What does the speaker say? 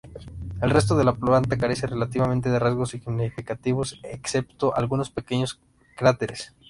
El resto de la planta carece relativamente de rasgos significativos, excepto algunos pequeños cráteres.